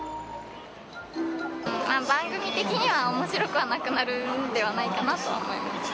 番組的にはおもしろくはなくなるんではないかなとは思います。